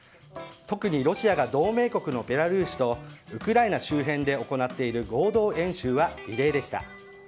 特にロシアが同盟国のベラルーシとウクライナ周辺で行っている合同演習は異例でした。